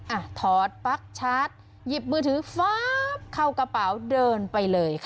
อ่ะถอดปั๊กชาร์จหยิบมือถือฟ้าบเข้ากระเป๋าเดินไปเลยค่ะ